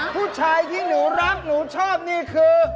ผู้ชายที่หนูรักหนูชอบนี่คือ